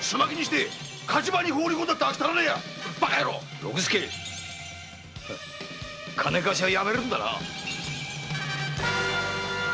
六助もぅ金貸しはやめるんだな。